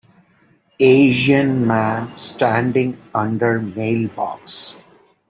Asian man standing under mailbox.